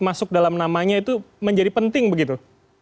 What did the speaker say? masuk dalam namanya itu menjadi penting begitu